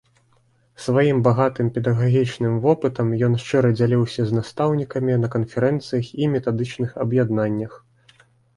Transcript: Сваім багатым педагагічным вопытам ён шчыра дзяліўся з настаўнікамі на канферэнцыях і метадычных аб'яднаннях.